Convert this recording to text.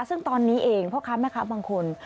ซึ่งตอนนี้เองพ่อค้าแม่ค้าบางคน